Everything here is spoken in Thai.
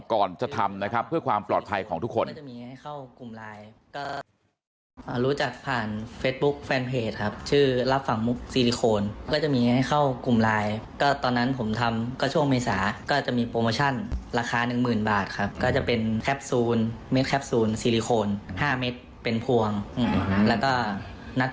ก่อนจะทำนะครับเพื่อความปลอดภัยของทุกคน